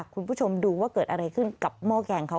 คุณผู้ชมดูว่าเกิดอะไรขึ้นกับหม้อแกงเขา